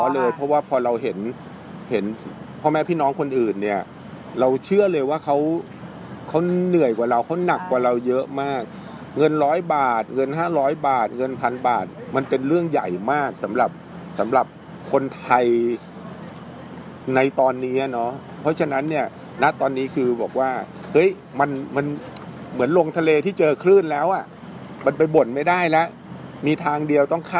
เลยเพราะว่าพอเราเห็นเห็นพ่อแม่พี่น้องคนอื่นเนี่ยเราเชื่อเลยว่าเขาเขาเหนื่อยกว่าเราเขาหนักกว่าเราเยอะมากเงินร้อยบาทเงิน๕๐๐บาทเงินพันบาทมันเป็นเรื่องใหญ่มากสำหรับสำหรับคนไทยในตอนนี้เนาะเพราะฉะนั้นเนี่ยณตอนนี้คือบอกว่าเฮ้ยมันมันเหมือนลงทะเลที่เจอคลื่นแล้วอ่ะมันไปบ่นไม่ได้แล้วมีทางเดียวต้องข